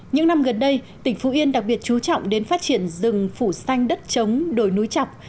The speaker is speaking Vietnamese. những năm gần đây tỉnh phú yên đặc biệt chú trọng đến phát triển rừng phủ xanh đất trống đồi núi chọc